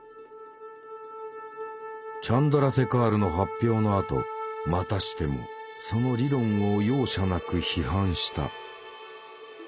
チャンドラセカールの発表のあとまたしてもその理論を容赦なく批判した。